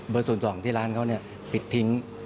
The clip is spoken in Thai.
เบอร์๐๒ที่ร้านเขาปิดทิ้ง